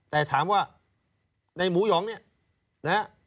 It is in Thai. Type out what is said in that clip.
แต่ถามว่าในหมูหยองเนี่ยนะฮะ